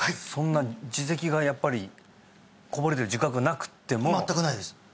そんな耳石がやっぱりこぼれてる自覚がなくっても全くないです